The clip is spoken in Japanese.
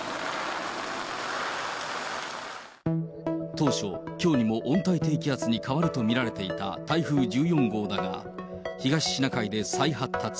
当初、きょうにも温帯低気圧に変わると見られていた台風１４号だが、東シナ海で再発達。